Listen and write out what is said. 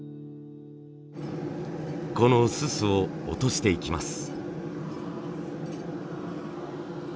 このススを落としていきます。